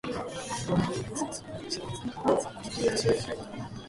水の入っていない水槽のような静けさがあって、次に君が口を開いた